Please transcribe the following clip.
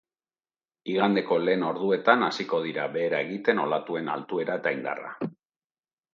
Igandeko lehen orduetan hasiko dira behera egiten olatuen altuera eta indarra.